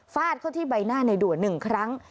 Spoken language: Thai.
ฟาดเขาที่ใบหน้านายด่วน๑ครั้ง